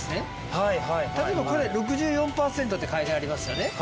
はいはい例えばこれ６４％って書いてありますよね